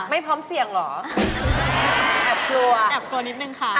ไม่พร้อมเสี่ยงเหรอแอบกลัวแอบกลัวนิดนึงค่ะ